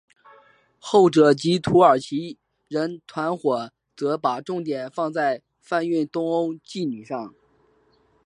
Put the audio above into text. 后者即土耳其人团伙则把重点放在贩运东欧妓女上。